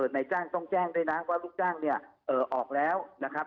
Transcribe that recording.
นายจ้างต้องแจ้งด้วยนะว่าลูกจ้างเนี่ยออกแล้วนะครับ